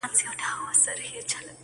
ه ته خپه د ستړي ژوند له شانه نه يې